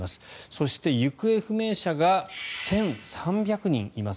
そして、行方不明者が１３００人います。